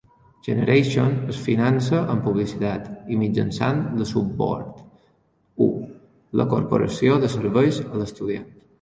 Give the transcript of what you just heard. "Generation" es finança amb publicitat i mitjançant la Sub-Board I, la corporació de serveis a l'estudiant.